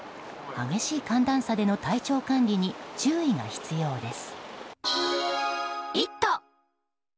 激しい寒暖差での体調管理に注意が必要です。